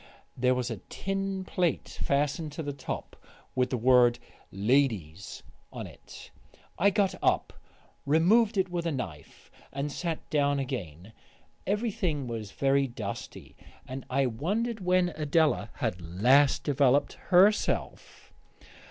There was a tin plate fastened to the top, with the word "LADIES" on it. I got up, removed it with a knife, and sat down again. Everything was very dusty, and I wondered when Adela had last developed herself.